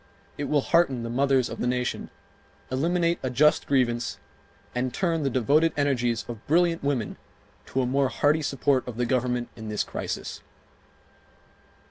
It will hearten the mothers of the nation, eliminate a just grievance, and turn the devoted energies of brilliant women to a more hearty support of the Government in this crisis.